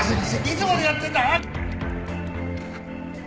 いつまでやってんだ。